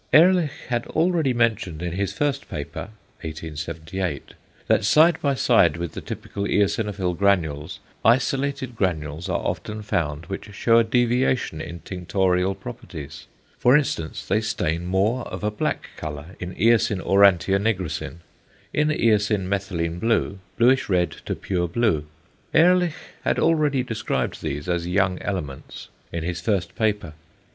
Ehrlich had already mentioned in his first paper (1878) that side by side with the typical eosinophil granules isolated granules are often found which shew a deviation in tinctorial properties: for instance, they stain more of a black colour in eosine aurantia nigrosin; in eosine methylene blue, bluish red to pure blue. Ehrlich had already described these as young elements in his first paper.